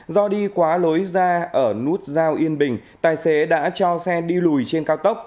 do đi quá lối ra ở nút giao yên bình tài xế đã cho xe đi lùi trên cao tốc